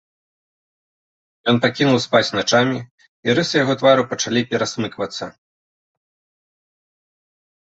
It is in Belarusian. Ён пакінуў спаць начамі, і рысы яго твару пачалі перасмыквацца.